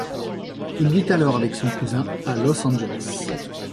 Il vit alors avec son cousin à Los Angeles.